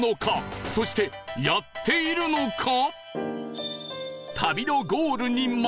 そしてやっているのか？